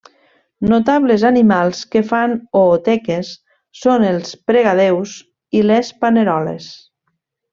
Notables animals que fan ooteques són els pregadéus i les paneroles.